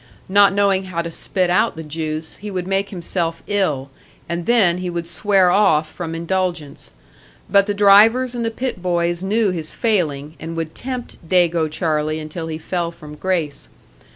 Not knowing how to spit out the juice, he would make himself ill, and then he would swear off from indulgence. But the drivers and the pit boys knew his failing, and would tempt "Dago Charlie" until he fell from grace.